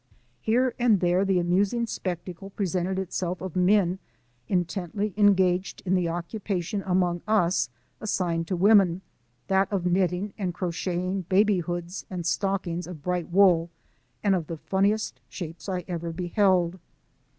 Here and there the amusing spec tacle presented itself of men in tently engaged in the occupation among us assigned to women, that of knitting and crocheting baby hoods and stockings of britjht wool, and of the funniest shapes I ever beheld